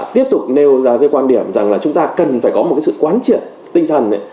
tiếp tục nêu ra cái quan điểm rằng là chúng ta cần phải có một cái sự quán triệt tinh thần